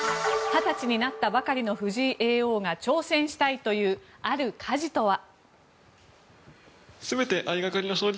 ２０歳になったばかりの藤井叡王が挑戦したいというある家事とは。